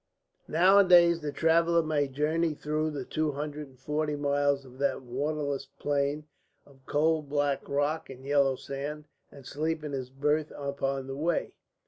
Nowadays the traveller may journey through the two hundred and forty miles of that waterless plain of coal black rocks and yellow sand, and sleep in his berth upon the way.